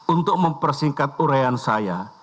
untuk mempersingkat uraian saya